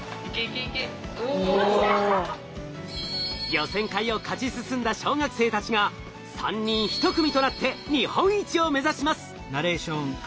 予選会を勝ち進んだ小学生たちが３人１組となって日本一を目指します。